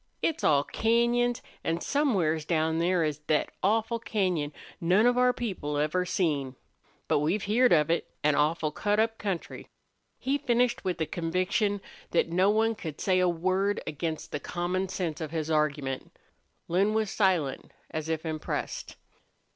It's all cañons, an' somewheres down there is thet awful cañon none of our people ever seen. But we've heerd of it. An awful cut up country." He finished with a conviction that no one could say a word against the common sense of his argument. Lin was silent, as if impressed.